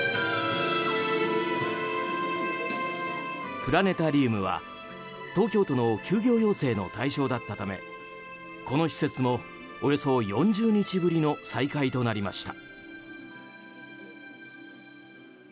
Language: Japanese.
プラネタリウムは東京都の休業要請の対象だったためこの施設もおよそ４０日ぶりの再開となりました。